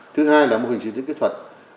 thứ hai là mô hình chi tiết kỹ thuật